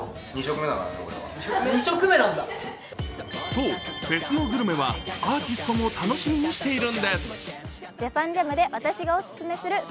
そう、フェスのグルメはアーティストも楽しみにしているんです。